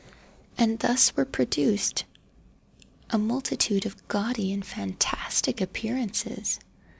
And thus were produced a multitude of gaudy and fantastic appearances.